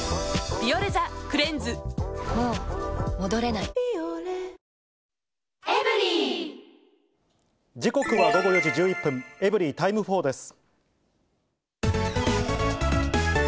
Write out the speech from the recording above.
「ビオレ」時刻は午後４時１１分、エブリィタイム４です。